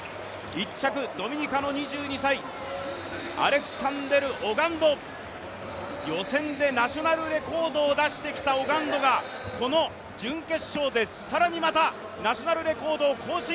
１着、ドミニカの２２歳アレクサンデル・オガンド予選でナショナルレコードを出してきたオガンドがこの準決勝で更にまたナショナルレコードを更新。